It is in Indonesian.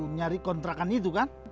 nyari kontrakan itu kan